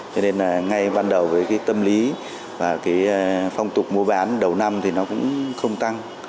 cho nên là ngay ban đầu với cái tâm lý và cái phong tục mua bán đầu năm thì nó cũng không tăng